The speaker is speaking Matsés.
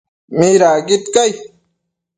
¿midacquid cai ?